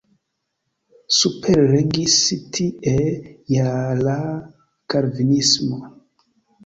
Superregis tie ja la Kalvinismo.